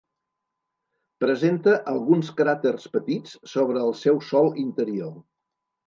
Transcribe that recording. Presenta alguns cràters petits sobre el seu sòl interior.